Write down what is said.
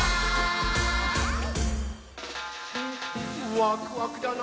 ワクワクだなぁ。